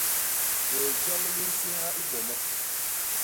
Jôl joñ li nsiha i boma.